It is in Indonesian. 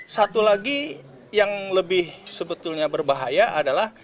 satu lagi yang lebih sebetulnya berbahaya adalah